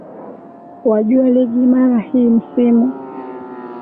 wajua ligi mara hii msimu